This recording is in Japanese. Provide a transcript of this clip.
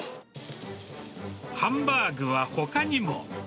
ハンバーグはほかにも。